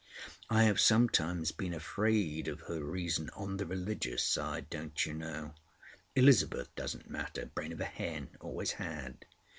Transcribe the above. I have sometimes been afraid of her reason—on the religious side, don't you know. Elizabeth doesn't matter. Brain of a hen. Always had."